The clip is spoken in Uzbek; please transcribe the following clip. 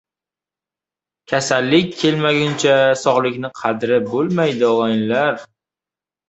• Kasallik kelmagunicha sog‘likning qadri bo‘lmaydi.